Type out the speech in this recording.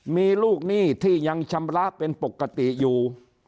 มีลูกหนี้ที่ยังชำระเป็นปกติอยู่